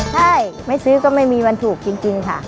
ใช่ไม่ซื้อก็ไม่มีวันถูกจริงค่ะ